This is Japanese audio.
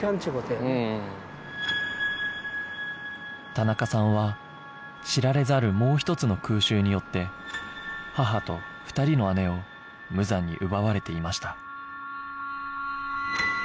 田中さんは知られざるもう一つの空襲によって母と２人の姉を無残に奪われていました